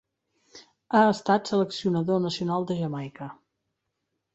Ha estat seleccionador nacional de Jamaica.